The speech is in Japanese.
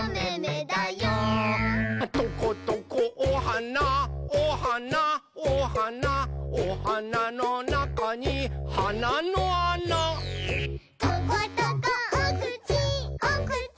「トコトコおはなおはなおはなおはなのなかにはなのあな」「トコトコおくちおくち